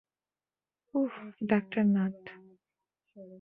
উহ, ডাঃ নাট।